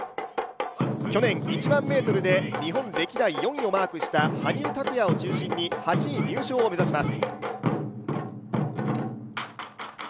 去年１００００ｍで日本歴代４位をマークした羽生拓矢を中心に８位入賞を目指します。